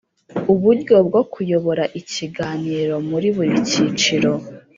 Uburyo bwo kuyobora i kiganiro muri buri cyiciro